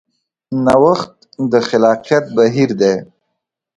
نوښت د خلاقیت بهیر دی.